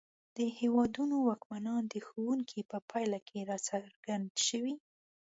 د هېوادونو واکمنان د ښوونکي په پایله کې راڅرګند شوي.